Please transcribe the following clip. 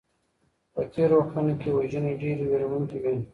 په تيرو وختونو کي وژنې ډېرې ويرونکي وې.